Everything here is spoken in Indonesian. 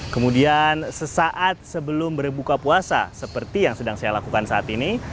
kemudian sesaat sebelum berbuka puasa seperti yang sedang saya lakukan saat ini